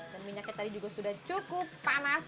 dan minyaknya tadi juga sudah cukup panas